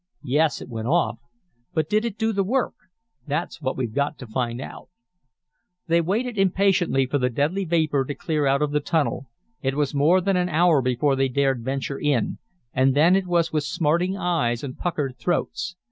"Yes, it went off. But did it do the work? That's what we've got to find out." They waited impatiently for the deadly vapor to clear out of the tunnel. It was more than an hour before they dared venture in, and then it was with smarting eyes and puckered throats.